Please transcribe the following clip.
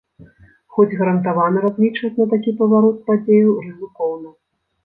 Хоць гарантавана разлічваць на такі паварот падзеяў рызыкоўна.